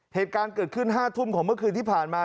เหตุการณ์เกิดขึ้น๕ทุ่มของเมื่อคืนที่ผ่านมา